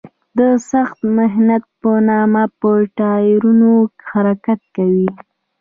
د سخت محنت په نامه په ټایرونو حرکت کوي.